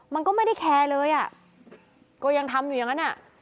มันก็ไม่ได้แคร์เลยอ่ะก็ยังทำอยู่อย่างนั้นอ่ะ